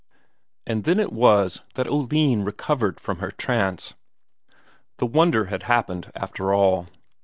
And then it was that Oline recovered from her trance. The wonder had happened after all.